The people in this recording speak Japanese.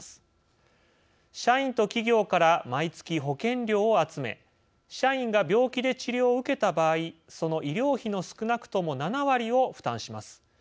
社員と企業から毎月保険料を集め社員が病気で治療を受けた場合その医療費の少なくとも７割を負担します。